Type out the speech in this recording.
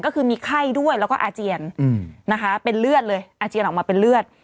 ก็คือมีไข้ด้วยแล้วก็อาเจียนนะคะเป็นเลือดเลยอาเจียนออกมาเป็นเลือด